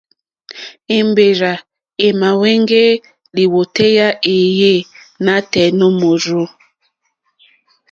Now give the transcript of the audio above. Èmbèrzà èmàáhwɛ́ŋgɛ́ lìwòtéyá éèyé nǎtɛ̀ɛ̀ nǒ mòrzô.